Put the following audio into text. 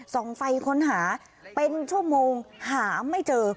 ส่องไฟค้นหาเป็นชั่วโมงหาไม่เจอ